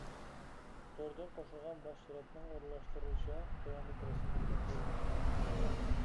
توردىن قوشۇلغان باش سۈرەتنىڭ ئورۇنلاشتۇرۇلۇشى تۆۋەندىكى رەسىمدىكىدەك بولىدۇ.